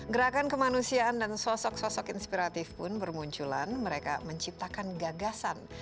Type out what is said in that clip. gerakan kemanusiaan dan sosok sosok inspiratif pun bermunculan mereka menciptakan gagasan